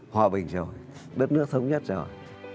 hòa bình rồi đất nước thống nhất rồi